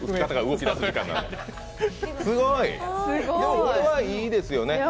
でもこれはいいですよね。